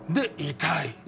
痛い。